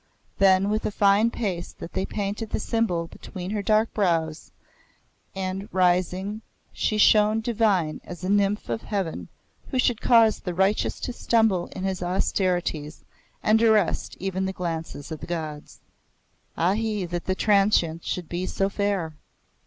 Then with fine paste they painted the Symbol between her dark brows, and, rising, she shone divine as a nymph of heaven who should cause the righteous to stumble in his austerities and arrest even the glances of Gods. (Ahi! that the Transient should be so fair!)